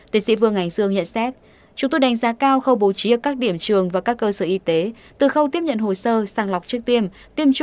tỷ sĩ vương ánh dương nhận xét